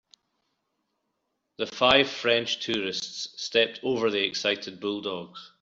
The five French tourists stepped over the excited bulldogs.